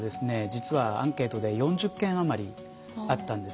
実はアンケートで４０件余りあったんですね。